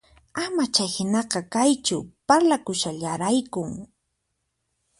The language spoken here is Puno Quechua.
Ama chayhinaqa kaychu, parlakushallaraykun